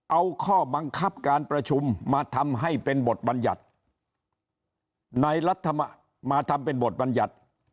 เอาข้อบังคับการประชุมมาทำให้เป็นบทบรรยัติ